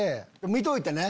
見といてね。